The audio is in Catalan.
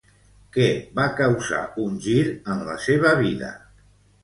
Què va causar un gir en la seva vida?